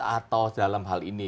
atau dalam hal ini